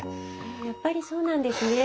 やっぱりそうなんですね。